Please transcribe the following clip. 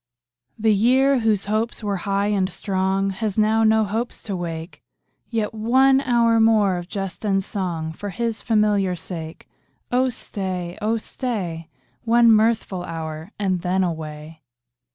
The year, whose hopes were high and strong, Has now no hopes to wake ; Yet one hour more of jest and song For his familiar sake. Oh stay, oh stay, One mirthful hour, and then away.